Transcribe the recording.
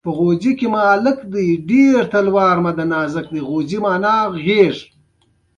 نړۍ جنګي میینان مخ ووینځي.